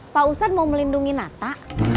pak ustadz mau melindungi nata